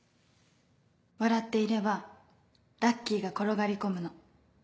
笑っていればラッキーが転がり込むの。